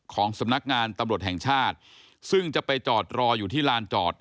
ของสำนักงานตำรวจแห่งชาติซึ่งจะไปจอดรออยู่ที่ลานจอด